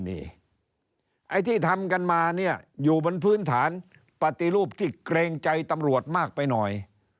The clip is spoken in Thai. นี่ไอ้ที่ทำกันมาเนี่ยอยู่บนพื้นฐานปฏิรูปที่เกรงใจตำรวจมากไปหน่อย